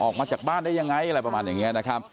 ออกมาจากบ้านได้ยังไงอะไรประมาณอย่างนี้นะครับ